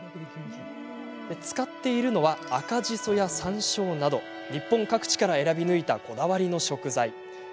使っているのは赤じそや、さんしょうなど日本各地から選び抜いたこだわりの食材。